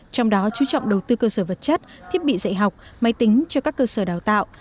trong đó chú trọng đầu tư cơ sở vật chất thiết bị dạy học máy tính cho các cơ sở đào tạo